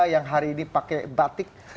yang hari ini pakai batik